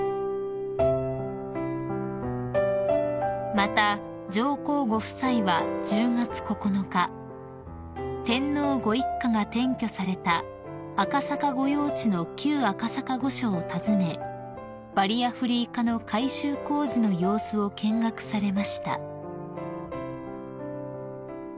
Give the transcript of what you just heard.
［また上皇ご夫妻は１０月９日天皇ご一家が転居された赤坂御用地の旧赤坂御所を訪ねバリアフリー化の改修工事の様子を見学されました］